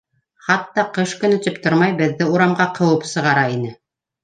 Хатта ҡыш көнө тип тормай беҙҙе урамға ҡыып сығара ине.